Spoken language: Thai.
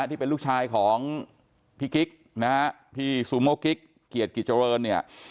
ที่เป็นลูกชายของพี่กิ๊กนะฮะพี่คิดกิจเจ้าเวิร์นเนี่ย